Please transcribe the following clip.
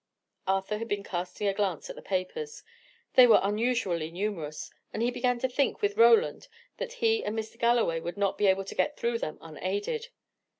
Arthur had been casting a glance at the papers. They were unusually numerous, and he began to think with Roland that he and Mr. Galloway would not be able to get through them unaided.